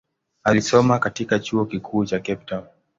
Alisoma katika chuo kikuu cha Cape Town.